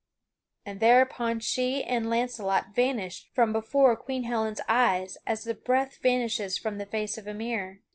And thereupon she and Launcelot vanished from before Queen Helen's eyes as the breath vanishes from the face of a mirror.